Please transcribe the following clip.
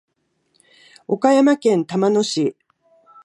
岡山県玉野市